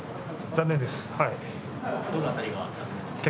残念です。